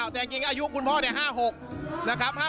แต่จริงอายุคุณพ่อ๕๖นะครับ